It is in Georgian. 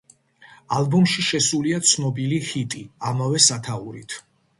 ალბომში შესულია ცნობილი ჰიტი ამავე სათაურით.